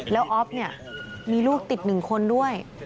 แล้วอ๊อฟมีลูกติดหนึ่งคนด้วย